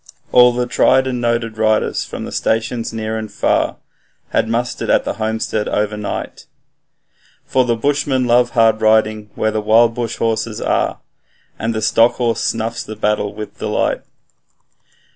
All the tried and noted riders from the stations near and far Had mustered at the homestead overnight, For the bushmen love hard riding where the wild bush horses are, And the stock horse snuffs the battle with delight.